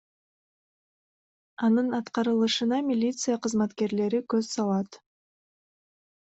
Анын аткарылышына милиция кызматкерлери көз салат.